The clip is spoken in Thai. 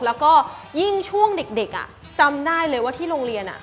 แล้วก็ยิ่งช่วงเด็กจำได้เลยว่าที่โรงเรียน